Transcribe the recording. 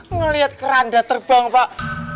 ngeliat keranda terbang pak